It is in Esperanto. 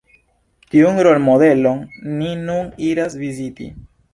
Tiun rolmodelon ni nun iras viziti.